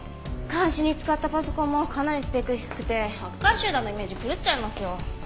監視に使ったパソコンもかなりスペック低くてハッカー集団のイメージ狂っちゃいますよ。